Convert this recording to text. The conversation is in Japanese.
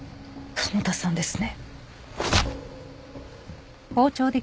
加茂田さんですね。